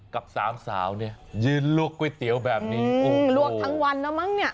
กับสามสาวเนี่ยยืนลวกก๋วยเตี๋ยวแบบนี้ลวกทั้งวันแล้วมั้งเนี่ย